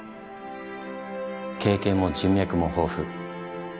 経験も人脈も豊富。